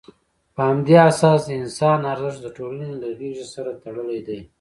په همدې اساس، د انسان ارزښت د ټولنې له غېږې سره تړلی دی.